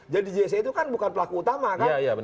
jadi jsc itu kan bukan pelaku utama kan